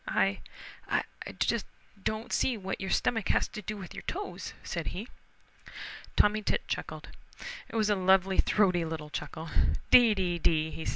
"I I don't just see what your stomach has to do with your toes," said he. Tommy Tit chuckled. It was a lovely throaty little chuckle. "Dee, dee, dee!"